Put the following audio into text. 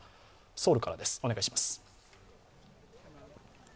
ソウルからです、お願いします。